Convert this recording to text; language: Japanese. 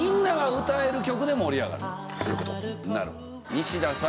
西田さん。